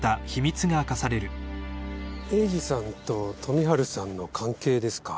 栄治さんと富治さんの関係ですか？